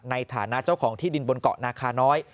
ในฐานะเจ้าของที่ดินบนเกาะนาคาน้อย